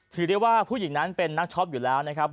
ถือได้ว่าผู้หญิงนั้นเป็นนักช็อปอยู่แล้วนะครับ